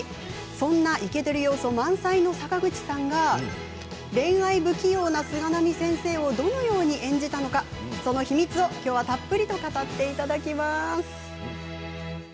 そんなイケてる要素満載の坂口さんが恋愛不器用な菅波先生をどのように演じたのかその秘密をきょうはたっぷりと語っていただきます。